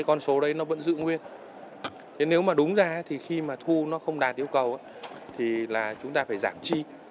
con số đấy nó vẫn giữ nguyên thế nếu mà đúng ra thì khi mà thu nó không đạt yêu cầu thì là chúng ta phải giảm chi